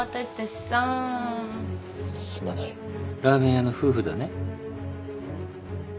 ラーメン屋の夫婦だね？